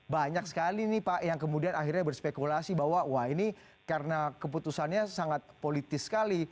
banyak sekali nih pak yang kemudian akhirnya berspekulasi bahwa wah ini karena keputusannya sangat politis sekali